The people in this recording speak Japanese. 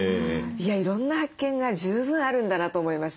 いろんな発見が十分あるんだなと思いました。